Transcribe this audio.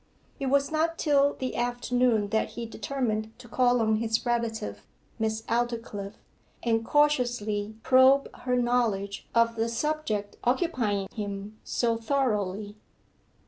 It was not till the afternoon that he determined to call on his relative, Miss Aldclyffe, and cautiously probe her knowledge of the subject occupying him so thoroughly.